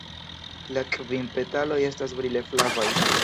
La kvin petaloj estas brile flavaj.